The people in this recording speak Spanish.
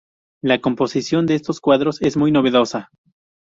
La composición de estos cuadros es muy novedosa.